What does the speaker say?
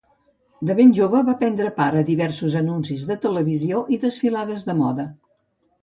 De ben jove, va prendre part a diversos anuncis de televisió i desfilades de moda.